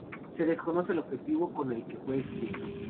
Se desconoce el objetivo con el que fue escrito.